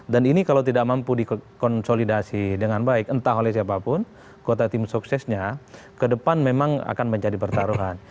dan ini kalau tidak mampu dikonsolidasi dengan baik entah oleh siapapun kota tim suksesnya ke depan memang akan menjadi pertaruhan